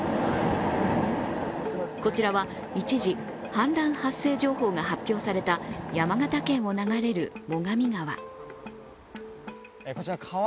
こちらは一時、氾濫発生情報が発表された山形県を流れる最上川。